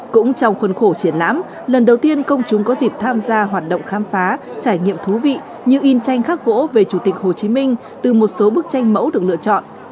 cũng trong khuôn khổ triển lãm lần đầu tiên công chúng có dịp tham gia hoạt động khám phá trải nghiệm thú vị như in tranh khắc gỗ về chủ tịch hồ chí minh từ một số bức tranh mẫu được lựa chọn